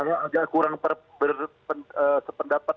agak kurang berpendapat